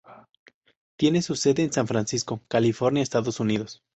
Tiene su sede en San Francisco, California, Estados Unidos.